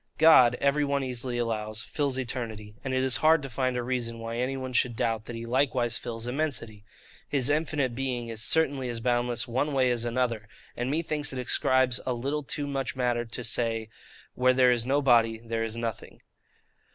God, every one easily allows, fills eternity; and it is hard to find a reason why any one should doubt that He likewise fills immensity. His infinite being is certainly as boundless one way as another; and methinks it ascribes a little too much to matter to say, where there is no body, there is nothing.